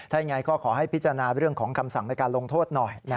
ถ้ายังไงก็ขอให้พิจารณาเรื่องของคำสั่งในการลงโทษหน่อย